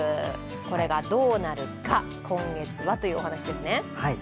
これがどうなるか、今月はというお話ですね。